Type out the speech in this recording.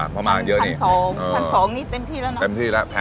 คนที่มาทานอย่างเงี้ยควรจะมาทานแบบคนเดียวนะครับ